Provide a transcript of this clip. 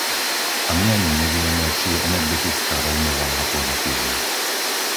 A my ani nevieme, či je energetická rovnováha pozitívna.